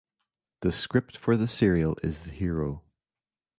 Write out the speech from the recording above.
The script for the serial is the hero.